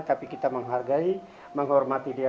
tapi kita menghargai menghormati dia